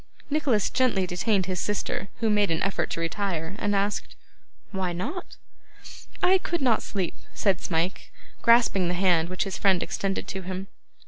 Nicholas gently detained his sister, who made an effort to retire; and asked, 'Why not?' 'I could not sleep,' said Smike, grasping the hand which his friend extended to him.